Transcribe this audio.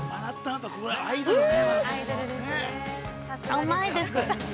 甘いです。